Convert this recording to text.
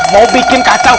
mau bikin kacau